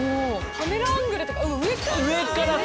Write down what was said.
カメラアングルとか上から。